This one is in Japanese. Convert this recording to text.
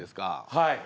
はい。